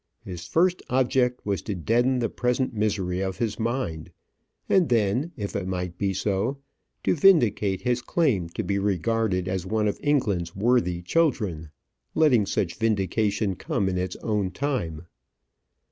His first object was to deaden the present misery of his mind; and then, if it might be so, to vindicate his claim to be regarded as one of England's worthy children, letting such vindication come in its own time.